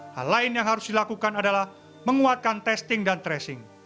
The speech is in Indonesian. hal lain yang harus dilakukan adalah menguatkan testing dan tracing